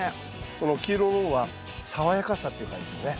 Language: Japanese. この黄色の方は爽やかさっていう感じですね。